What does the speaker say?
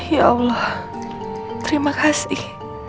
ya allah terima kasih